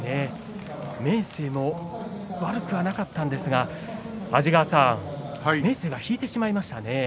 明生も悪くはなかったんですが安治川さん、明生が引いてしまいましたね。